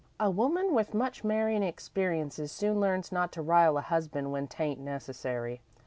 "A woman with much marryin' experience soon learns not to rile a husband when 't ain't necessary.